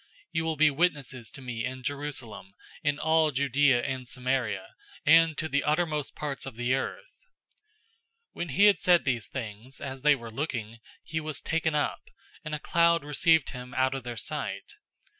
You will be witnesses to me in Jerusalem, in all Judea and Samaria, and to the uttermost parts of the earth." 001:009 When he had said these things, as they were looking, he was taken up, and a cloud received him out of their sight.